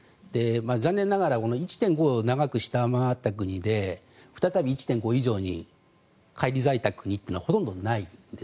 残念ながら１．５を長く下回った国で再び１．５以上に返り咲いた国というのはほとんどない。